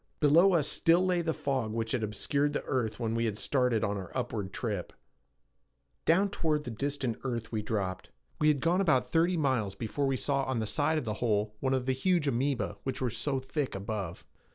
Below us still lay the fog which had obscured the earth when we had started on our upward trip. Down toward the distant earth we dropped. We had gone about thirty miles before we saw on the side of the hole one of the huge amoeba which were so thick above.